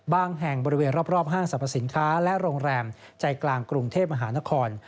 แห่งบริเวณรอบห้างสรรพสินค้าและโรงแรมใจกลางกรุงเทพมหานคร